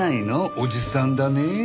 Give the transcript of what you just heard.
おじさんだねえ。